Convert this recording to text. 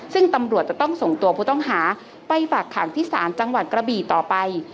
ซึ่งตำรวจจะต้องส่งตัวผู้ต้องหาไปฝากขังที่ศาลจังหวัดกระบี่ต่อไป